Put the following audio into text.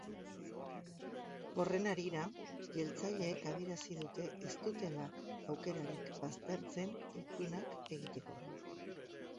Horren harira, jeltzaleek adierazi dute ez dutela aukerarik baztertzen itunak egiteko.